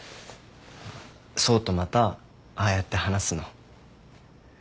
想とまたああやって話すの。